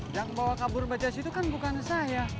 yang bawa kabur bajaj itu kan bukan saya